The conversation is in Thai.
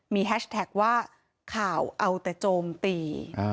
มีแฮชแท็กว่าข่าวเอาแต่โจมตี